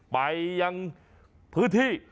ไปยังพื้นที่